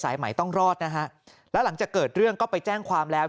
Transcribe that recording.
ใหม่ต้องรอดนะฮะแล้วหลังจากเกิดเรื่องก็ไปแจ้งความแล้ว